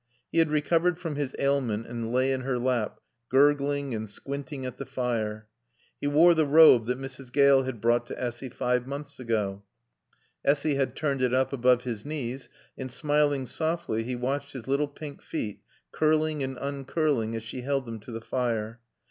He had recovered from his ailment and lay in her lap, gurgling and squinting at the fire. He wore the robe that Mrs. Gale had brought to Essy five months ago. Essy had turned it up above his knees, and smiling softly she watched his little pink feet curling and uncurling as she held them to the fire.